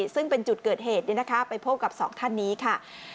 ซึ่งเป็นจุดเกิดเหตุไปพบกับสองท่านนี้ค่ะ